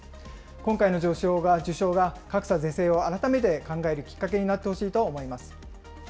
今回の受賞が、格差是正を改めて考えるきっかけになってほしいと思います。